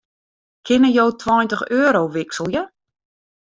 Kinne jo tweintich euro wikselje?